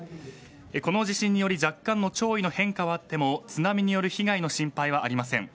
この地震により若干の潮位の変化はあっても津波による被害の心配はありません。